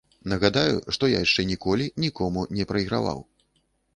Нагадаю, што я яшчэ ніколі нікому не прайграваў.